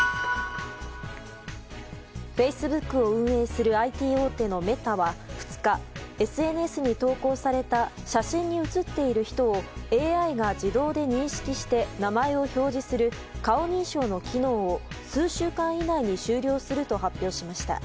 フェイスブックを運営するＩＴ大手のメタは２日、ＳＮＳに投稿された写真に写っている人をＡＩが自動で認識して名前を承認する顔認証の機能を、数週間以内に終了すると発表しました。